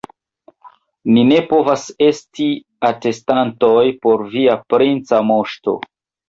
Ni ne povas esti atestantoj por via princa moŝto.